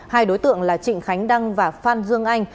hai đối tượng là trịnh khánh đăng và phan dương anh